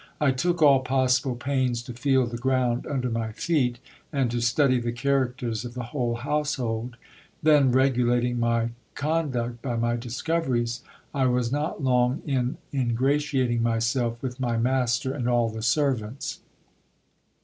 I took all possible pains to feel the ground under my feet, and to study the characters of the whole household : then regulating my con duct by my discoveries, I was not long in ingratiating myself with my master and all the servants.